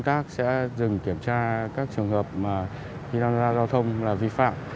các tổ quốc tác sẽ dừng kiểm tra các trường hợp khi đoàn giao thông là vi phạm